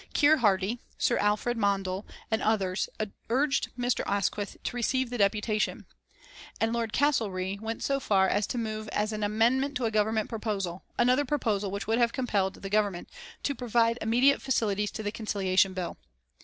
Keir Hardie, Sir Alfred Mondell and others urged Mr. Asquith to receive the deputation, and Lord Castlereagh went so far as to move as an amendment to a Government proposal, another proposal which would have compelled the Government to provide immediate facilities to the Conciliation Bill.